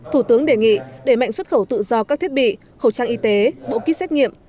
thủ tướng đề nghị đẩy mạnh xuất khẩu tự do các thiết bị khẩu trang y tế bộ kit xét nghiệm